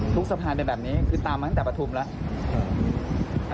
สะพานเป็นแบบนี้คือตามมาตั้งแต่ปฐุมแล้ว